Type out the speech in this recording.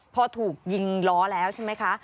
พอถูกยิงล้อแล้วใช่ไหมคะ